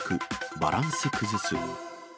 バランス崩す。